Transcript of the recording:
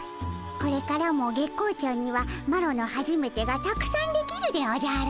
これからも月光町にはマロのはじめてがたくさんできるでおじゃる。